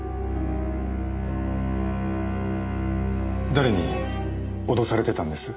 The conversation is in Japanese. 誰に脅されてたんです？